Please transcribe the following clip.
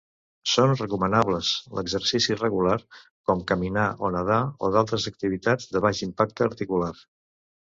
Són recomanables l'exercici regular, com caminar o nedar, o d'altres activitats de baix impacte articular.